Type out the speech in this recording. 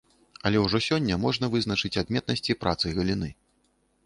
Але ўжо сёння можна вызначыць адметнасці працы галіны.